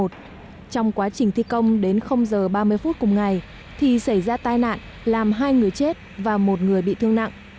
trong quá trình thi công đến giờ ba mươi phút cùng ngày thì xảy ra tai nạn làm hai người chết và một người bị thương nặng